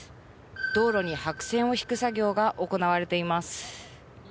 道路に白線を引く作業が行われています。